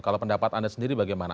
kalau pendapat anda sendiri bagaimana